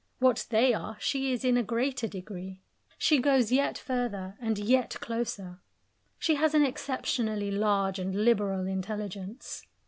What they are, she is in a greater degree. She goes yet further, and yet closer. She has an exceptionally large and liberal intelligence.